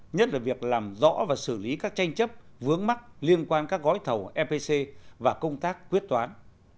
nhất là việc làm rõ và xử lý các tranh chấp vướng mắt liên quan các gói thầu epc và công tác quyết toán